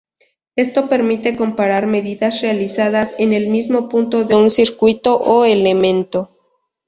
Esto permite comparar medidas realizadas en el mismo punto de un circuito o elemento.